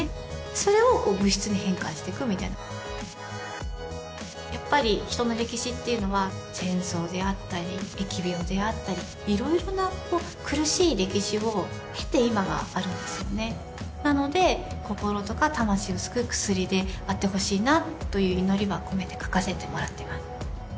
それを物質に変換してくみたいなやっぱり人の歴史っていうのは戦争であったり疫病であったり色々なこう苦しい歴史を経て今があるんですよねなので心とか魂を救う薬であってほしいなという祈りは込めて描かせてもらっています